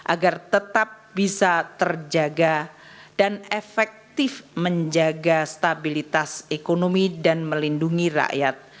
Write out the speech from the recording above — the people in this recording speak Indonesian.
agar tetap bisa terjaga dan efektif menjaga stabilitas ekonomi dan melindungi rakyat